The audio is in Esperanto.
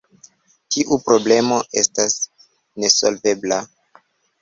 Tiu problemo estas nesolvebla.